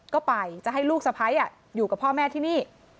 ก็ไปจะให้ลูกสะพ้ายอยู่กับพ่อแม่ที่นี่